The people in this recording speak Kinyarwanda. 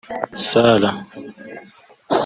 Salah